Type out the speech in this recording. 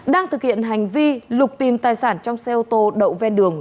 đang thực hiện hành vi lục tìm tài sản trong xe ô tô đậu ven đường